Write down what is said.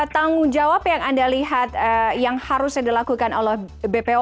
tanggung jawab yang anda lihat yang harusnya dilakukan oleh bpo